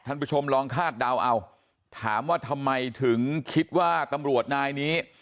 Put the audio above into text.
คุณผู้ชมลองคาดเดาเอาถามว่าทำไมถึงคิดว่าตำรวจนายนี้